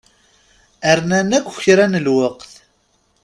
Rnan akka kra n lweqt.